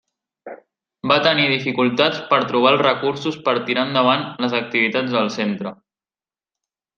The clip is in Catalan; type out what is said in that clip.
Va tenir dificultats per trobar els recursos per tirar endavant les activitats del centre.